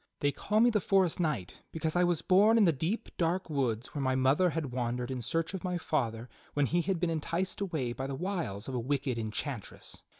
They call me the forest knight because I was born in the deep, dark woods where my mother had wandered in search of my father when he had been enticed away by the wiles of a wicked enchantress.